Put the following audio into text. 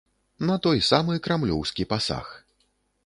На той самы крамлёўскі пасаг.